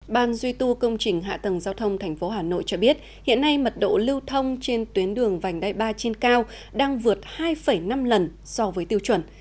ban duy tu công trình hạ tầng giao thông tp hà nội cho biết hiện nay mật độ lưu thông trên tuyến đường vành đai ba trên cao đang vượt hai năm lần so với tiêu chuẩn